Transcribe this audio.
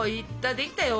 できたよ。